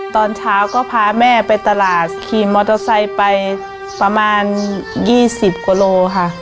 ตอนเช้าก็พาแม่ไปตลาดขี่มอเตอร์ไซค์ไปประมาณ๒๐กว่าโลค่ะ